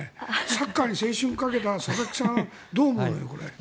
サッカーに青春をかけた佐々木さん、どう思うの。